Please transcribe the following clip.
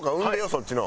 そっちの。